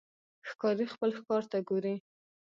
ښکاري خپل ښکار ته ګوري.